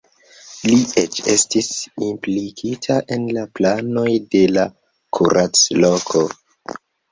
Li eĉ estis implikita en la planoj de la kuracloko.